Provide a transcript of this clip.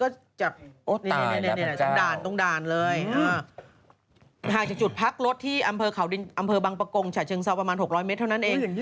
ก็จากด่านตรงด่านเลยห่างจากจุดพักรถที่อำเภอเขาดินอำเภอบังปะกงฉะเชิงเซาประมาณ๖๐๐เมตรเท่านั้นเอง